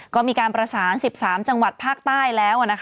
ก็มีการประสาน๑๓จังหวัดภาคใต้แล้ว